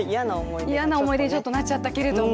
嫌な思い出になっちゃったけれども。